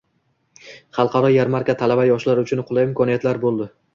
Xalqaro yarmarka talaba-yoshlar uchun qulay imkoniyat bo‘ldi